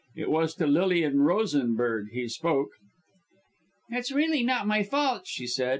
It was to Lilian Rosenberg he spoke. "It is really not my fault," she said.